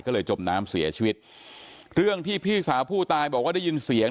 ก็เลยจมน้ำเสียชีวิตเรื่องที่พี่สาวผู้ตายบอกว่าได้ยินเสียง